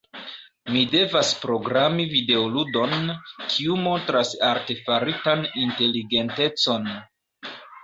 Mi devas programi videoludon, kiu montras artefaritan inteligentecon.